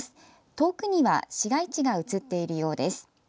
遠くには市街地が写っているようです。